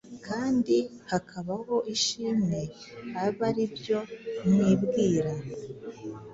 kandi hakabaho ishimwe, abe ari byo mwibwira.